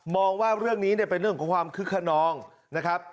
ว่าเรื่องนี้เนี่ยเป็นเรื่องของความคึกขนองนะครับ